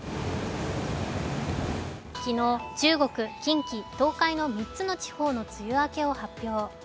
昨日、中国・近畿・東海の３つの地方の梅雨明けを発表。